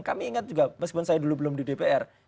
kami ingat juga meskipun saya dulu belum di dpr